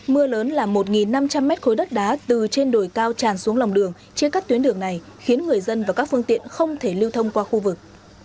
mưa lớn là một năm trăm linh mét khối đất đá từ trên đồi cao tràn xuống lòng đường chia cắt tuyến đường này khiến người dân và các phương tiện không thể lưu thông qua khu vực